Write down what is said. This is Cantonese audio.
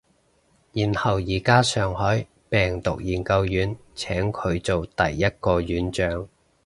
然後而家上海病毒研究院請佢做第一個院長